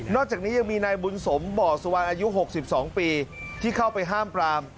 จากนี้ยังมีนายบุญสมบ่อสุวรรณอายุ๖๒ปีที่เข้าไปห้ามปราม